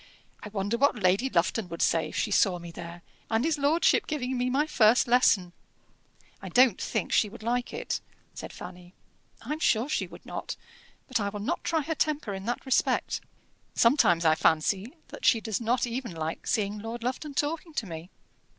I wonder what Lady Lufton would say if she saw me there, and his lordship giving me my first lesson?" "I don't think she would like it," said Fanny. "I'm sure she would not. But I will not try her temper in that respect. Sometimes I fancy that she does not even like seeing Lord Lufton talking to me."